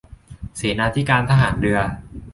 เสนาธิการทหารเรือ